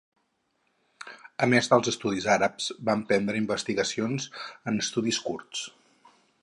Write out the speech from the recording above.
A més dels estudis àrabs, va emprendre investigacions en estudis kurds.